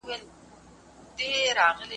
دا هڅه الهي فطرت دی